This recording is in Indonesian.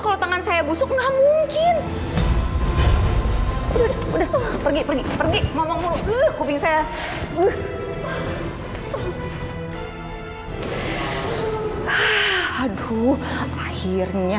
kepengan saya busuk nggak mungkin udah pergi pergi pergi ngomong ngomong saya aduh akhirnya